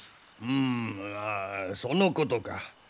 うむそのことか。